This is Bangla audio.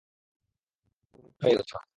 তুমি তুমি হয়ে গেছ!